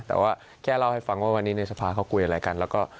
แต่ว่าแค่เล่าให้ฟังว่าวันนี้ในสภาเขากลุ่มอะไรกัน